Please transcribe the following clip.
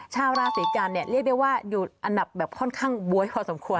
ชาวราศีกันเนี่ยเรียกได้ว่าอยู่อันดับแบบค่อนข้างบ๊วยพอสมควร